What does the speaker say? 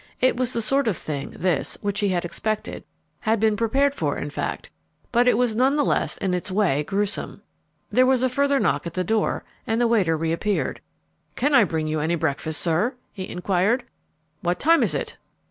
It was the sort of thing, this, which he had expected had been prepared for, in fact but it was none the less, in its way, gruesome. There was a further knock at the door, and the waiter reappeared. "Can I bring you any breakfast, sir?" he enquired. "What time is it?"